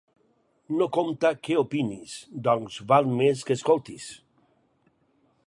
No compta què opinis, doncs val més que escoltis.